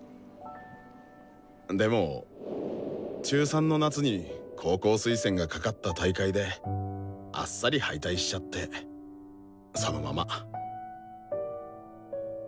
でも中３の夏に高校推薦がかかった大会であっさり敗退しちゃってそのまま。